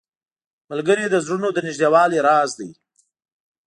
ملګری د زړونو د نږدېوالي راز دی